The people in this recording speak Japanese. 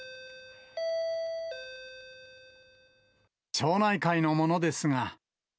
町内会の者ですが。